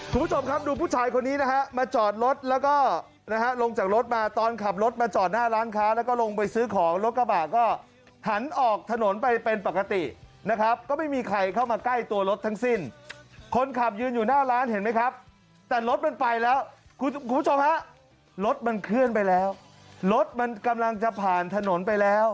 คุณผู้ชมครับดูผู้ชายคนนี้นะฮะมาจอดรถแล้วก็นะฮะลงจากรถมาตอนขับรถมาจอดหน้าร้านค้าแล้วก็ลงไปซื้อของรถกระบะก็หันออกถนนไปเป็นปกตินะครับก็ไม่มีใครเข้ามาใกล้ตัวรถทั้งสิ้นคนขับยืนอยู่หน้าร้านเห็นไหมครับแต่รถมันไปแล้วคุณผู้ชมฮะรถมันเคลื่อนไปแล้วรถมันกำลังจะผ่านถนนไปแล้ว